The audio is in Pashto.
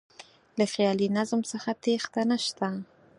له خیالي نظم څخه تېښته نه شته.